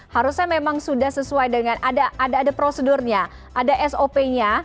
harusnya memang sudah sesuai dengan ada prosedurnya ada sop nya